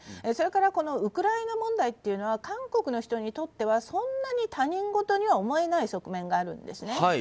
それからウクライナ問題というのは韓国の人にとってはそんなに他人事には思えない側面があるんですね。